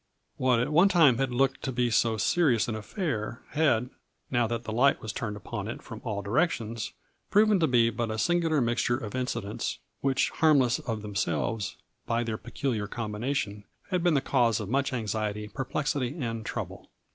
What at one time had looked to be so serious an affair, had, now that the light was turned upon it from all directions, proven to be but a singular mixture of incidents which, harmless of themselves, by their peculiar combination had been the cause of much anxiety, perplexity and trouble.